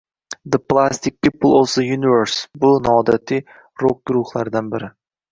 The Plastic People of the Universe - bu noodatiy rok guruhlaridan biri.